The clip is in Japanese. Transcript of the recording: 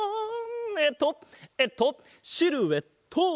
えっとえっとシルエット！